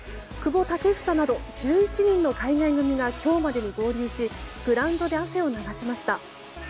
久保建英など、１１人の海外組が今日までに合流しグラウンドで汗を流しました。